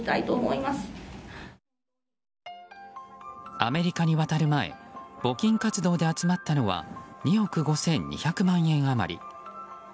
アメリカに渡る前募金活動で集まったのは２億５２００万円余り。